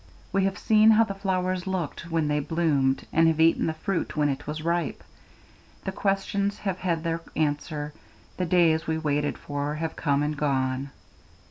We have seen how the flowers looked when they bloomed and have eaten the fruit when it was ripe; the questions have had their answer, the days we waited for have come and gone.